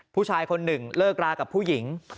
ผู้ชายคนหนึ่งเลิกรากับผู้หญิง